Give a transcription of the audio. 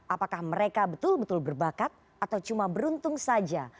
apakah mereka betul betul berbakat atau cuma beruntung saja